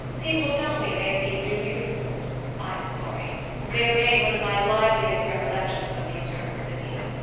People tell me they have been re uniformed: I am sorry. They remain one of my liveliest recollections of the Eternal City.